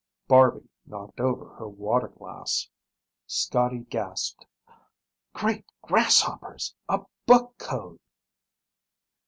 Barby knocked over her water glass. Scotty gasped, "Great grasshoppers! A book code!"